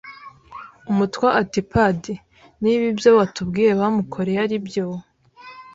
Umutwa ati padi niba ibyo watubwiye bamukoreye aribyo,